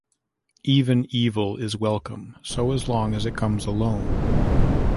Even evil is welcome so as long as it comes alone.